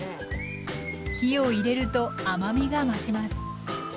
火を入れると甘みが増します